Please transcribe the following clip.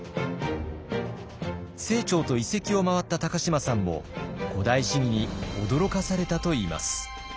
清張と遺跡を回った高島さんも「古代史疑」に驚かされたといいます。